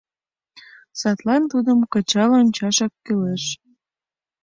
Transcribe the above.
Садлан тудым кычал ончашак кӱлеш.